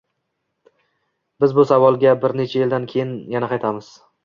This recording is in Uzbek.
— Biz bu savolga bir nechayildan keyin yana qaytamiz.